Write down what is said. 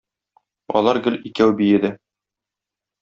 Алар гел икәү биеде.